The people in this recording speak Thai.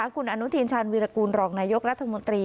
คุณอนุทินชาญวีรกูลรองนายกรัฐมนตรี